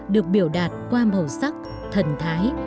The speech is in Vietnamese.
được biểu đạt qua màu sắc thần thái